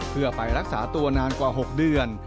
เพื่อไปรักษาตัวนานกว่า๖เดือน